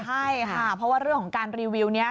ใช่ค่ะเพราะว่าเรื่องของการรีวิวนี้